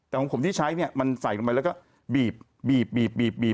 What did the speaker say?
แต่ของผมที่ใช้เนี่ยมันใส่ลงไปแล้วก็บีบ